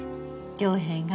良平が？